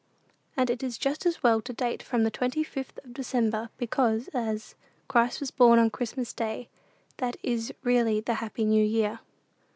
And it is just as well to date from the twenty fifth of December, because, as "Christ was born on Christmas day," that is really the "Happy New Year."